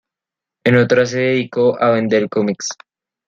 En otra se dedicó a vender cómics.